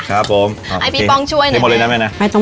ไอ้ปีปองช่วยหน่อย